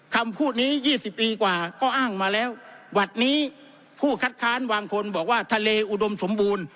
คำพูดนี้๒๐ปีกว่าก็อ้างมาแล้วหวัดนี้ผู้คัดค้านบางคนบอกว่าทะเลอุดมสมบูรณ์